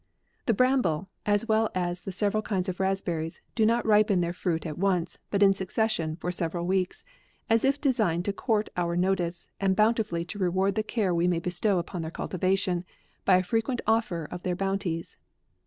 The bramble, as well as the several kinds of raspberries, do not ripen their fruit at once, but in succession, for several weeks, as if designed to court our notice, and bounti fully to reward the care we may bestow upon their cultivation, by a frequent offer of their bounties.